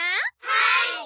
はい！